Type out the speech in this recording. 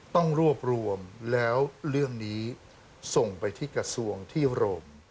ต้องรวบรวมแล้วเรื่องนี้ส่งไปที่กระทรวงที่โรม